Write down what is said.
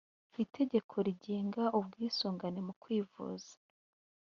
itegeko rigenga ubwisungane mu kwivuza